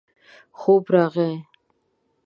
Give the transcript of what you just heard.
خوب ورغی.